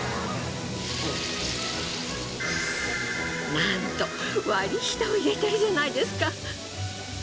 なんと割り下を入れてるじゃないですか！